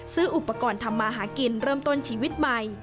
ซื้ออุปกรณ์ทำมาหากินเริ่มต้นชีวิตใหม่